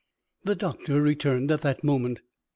The doctor returned at that moment.